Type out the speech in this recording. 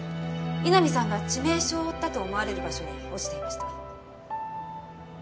井波さんが致命傷を負ったと思われる場所に落ちていました。